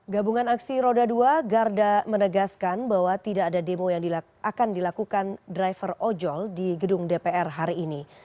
gabungan aksi roda dua garda menegaskan bahwa tidak ada demo yang akan dilakukan driver ojol di gedung dpr hari ini